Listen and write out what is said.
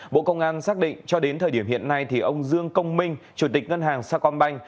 bộ công an xác định cho đến thời điểm hiện nay thì ông dương công minh chủ tịch ngân hàng sao con banh